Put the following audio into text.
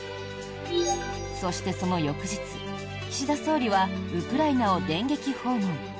そして、その翌日、岸田総理はウクライナを電撃訪問。